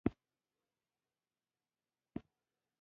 ا نهه کاله حجاب اغوستی